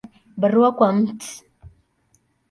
Barua kwa Mt.